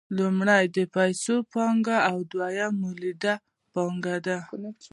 لومړی د پیسو پانګه او دویم مولده پانګه ده